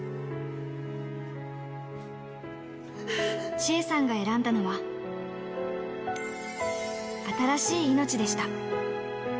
千恵さんが選んだのは、新しい命でした。